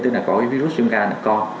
tên là có virus viêm gan ở con